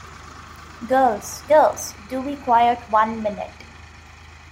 Girls, girls, do be quiet one minute!